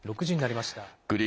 ６時になりました。